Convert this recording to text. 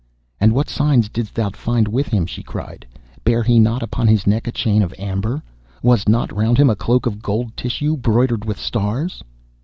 'And what signs didst thou find with him?' she cried. 'Bare he not upon his neck a chain of amber? Was not round him a cloak of gold tissue broidered with stars?